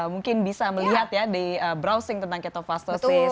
mungkin bisa melihat ya di browsing tentang ketofastosis